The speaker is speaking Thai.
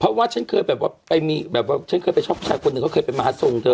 เพราะว่าฉันเคยแบบว่าไปมีแบบว่าฉันเคยไปชอบผู้ชายคนหนึ่งเขาเคยเป็นมหาทรงเธอ